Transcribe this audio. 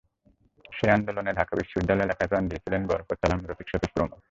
সেই আন্দোলনে ঢাকা বিশ্ববিদ্যালয় এলাকায় প্রাণ দিয়েছিলেন বরকত, সালাম, রফিক, শফিক প্রমুখ।